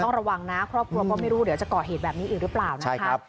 ระวังนะครอบครัวก็ไม่รู้เดี๋ยวจะก่อเหตุแบบนี้อีกหรือเปล่านะครับ